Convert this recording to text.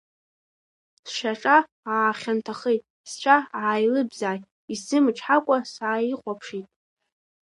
Сшьаҿа аахьанҭахеит, сцәа ааилыбзааит, исзымычҳакәа сааихәаԥшит.